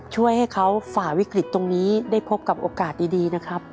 ช่วยให้เขาฝ่าวิกฤตตรงนี้ได้พบกับโอกาสดีนะครับ